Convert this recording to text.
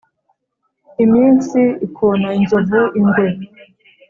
Iminsi ikona inzovu (ingwe).